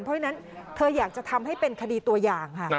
เพราะฉะนั้นเธออยากจะทำให้เป็นคดีตัวอย่างค่ะ